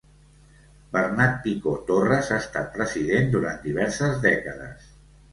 Bernat Picó Torres ha estat president durant diverses dècades.